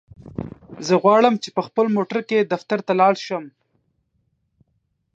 زه غواړم چی په خپل موټرکی دفترته لاړشم.